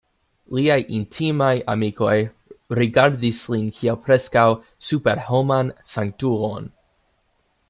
Liaj intimaj amikoj rigardis lin kiel preskaŭ superhoman sanktulon.